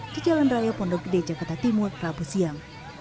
di jalan raya pondok gede jakarta timur rabu siang